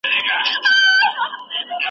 انصاف ټولنه ارامه ساتي.